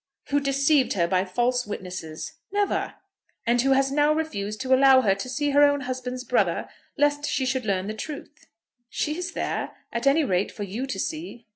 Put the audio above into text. "Who deceived her by false witnesses." "Never." "And who has now refused to allow her to see her own husband's brother, lest she should learn the truth." "She is there, at any rate for you to see."